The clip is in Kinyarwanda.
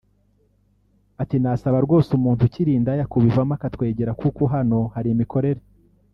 Ati “Nasaba rwose umuntu ukiri indaya kubivamo akatwegera kuko hano hari imikorere